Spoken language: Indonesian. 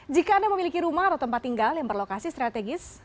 jika anda memiliki rumah atau tempat tinggal yang berlokasi strategis